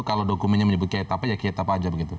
kalau dokumennya menyebut kiai tapa ya kiai tapa aja begitu